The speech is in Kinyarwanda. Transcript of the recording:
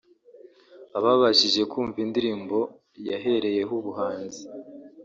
Ababashije kumva indirimbo yahereyeho ubuhanzi